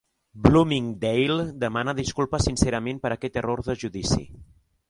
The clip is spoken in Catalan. Bloomingdale demana disculpes sincerament per aquest error de judici.